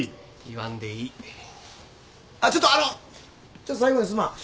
ちょっと最後にすまん。